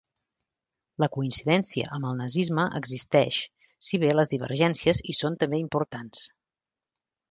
La coincidència amb el nazisme existeix, si bé les divergències hi són també importants.